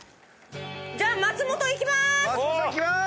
じゃあ松本行きます！